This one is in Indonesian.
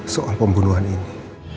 soal pembunuhan ini